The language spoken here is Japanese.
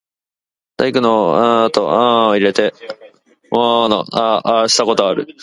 大工の兼公と肴屋の角をつれて、茂作の人参畠をあらした事がある。